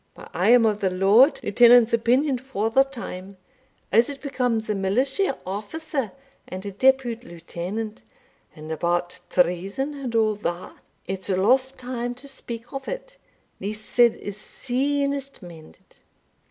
But I am of the Lord Lieutenant's opinion for the time, as it becomes a militia officer and a depute lieutenant and about treason and all that, it's lost time to speak of it least said is sunest mended."